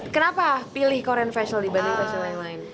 kenapa pilih koreen facial dibanding facial lain lain